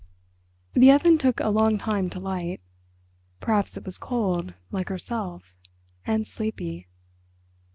The oven took a long time to light. Perhaps it was cold, like herself, and sleepy....